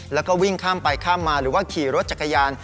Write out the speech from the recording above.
แล้วก็วิ่งข้ามไปข้ามมาหรือว่าขี่รถจักรยาน